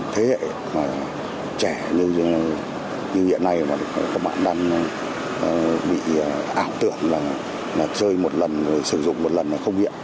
thế hệ mà trẻ như hiện nay mà các bạn đang bị ảo tượng là chơi một lần rồi sử dụng một lần là không hiện